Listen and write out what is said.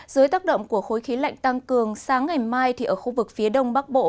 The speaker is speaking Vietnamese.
dưới tác động của khối khí lạnh tăng cường sáng ngày mai thì ở khu vực phía đông bắc bộ